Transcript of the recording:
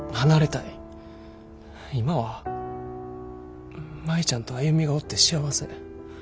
今は舞ちゃんと歩がおって幸せ。